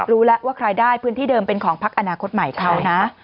รู้แล้วว่าใครได้พื้นที่เดิมเป็นของพักอนาคตใหม่เขานะ